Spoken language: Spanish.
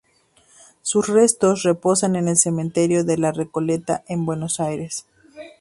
Sus restos reposan en el Cementerio de la Recoleta en Buenos Aires.